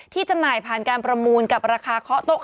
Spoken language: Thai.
จำหน่ายผ่านการประมูลกับราคาเคาะโต๊ะ